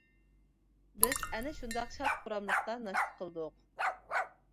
-بىز ئەنە شۇنداق شاد-خۇراملىقتا ناشتا قىلدۇق.